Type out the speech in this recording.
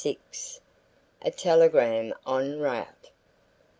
A TELEGRAM EN ROUTE.